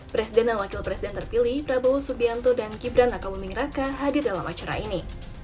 presiden dan wakil presiden terpilih prabowo subianto dan gibran raka buming raka hadir dalam acara ini